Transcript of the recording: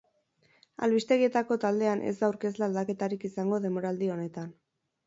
Albistegietako taldean ez da aurkezle aldaketarik izango denboraldi honetan.